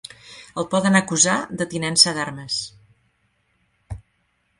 El poden acusar de tinença d'armes.